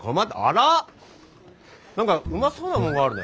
何かうまそうなもんがあるね。